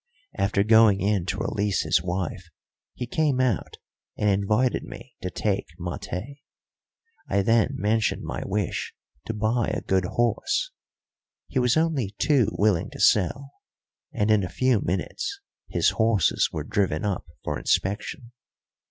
After going in to release his wife he came out and invited me to take maté. I then mentioned my wish to buy a good horse; he was only too willing to sell, and in a few minutes his horses were driven up for inspection.